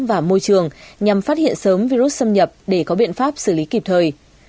và môi trường nhằm phát hiện sớm virus xâm nhập để có biện pháp xử lý kịp thời